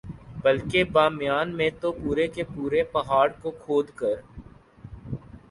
بلکہ بامیان میں تو پورے کے پورے پہاڑ کو کھود کر